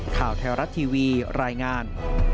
ข่าวไทยรัฐทีวีรายงาน